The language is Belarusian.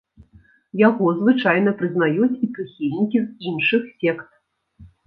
Яго звычайна прызнаюць і прыхільнікі з іншых сект.